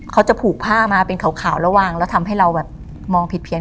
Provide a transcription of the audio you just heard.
เขาจะผูกผ้ามาเป็นขาวแล้ววางแล้วทำให้เราแบบมองผิดเพี้ยน